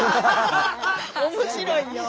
面白いよ。